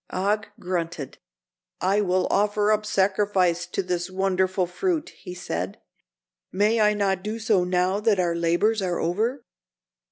Og grunted. "I will offer up sacrifice to this wonderful fruit," he said. "May I not do so now that our labors are over?"